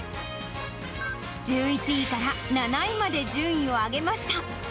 １１位から７位まで順位を上げました。